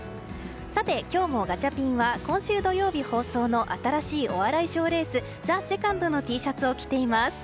さて、今日もガチャピンは今週土曜日放送の新しいお笑い賞レース「ＴＨＥＳＥＣＯＮＤ」のＴシャツを着ています。